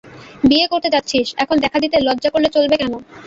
বিয়ে করতে যাচ্ছিস, এখন দেখা দিতে লজ্জা করলে চলবে কেন?